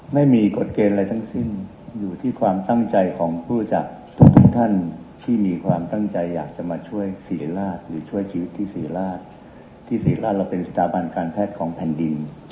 ไม่มีกฎเกณฑ์อะไรทั้งสิ้นอยู่ที่ความตั้งใจของผู้จัดทุกท่านที่มีความตั้งใจอยากจะมาช่วยศรีราชหรือช่วยชีวิตที่ศรีราชที่ศรีราชเราเป็นสถาบันการแพทย์ของแผ่นดิน